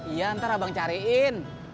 iya ntar abang cariin